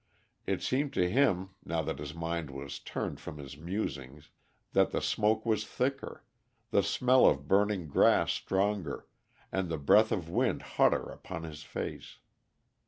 It seemed to him, now that his mind was turned from his musings, that the smoke was thicker, the smell of burning grass stronger, and the breath of wind hotter upon his face.